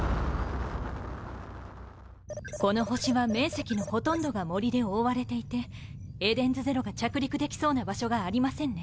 この星は面積のほとんどが森で覆われていてエデンズゼロが着陸できそうな場所がありませんね。